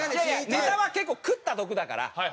ネタは結構食った毒だから。